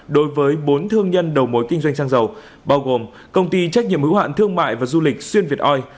đối với bốn thương nhân đầu mối kinh doanh xăng dầu bao gồm công ty trách nhiệm hữu hạn thương mại và du lịch xuyên việt oi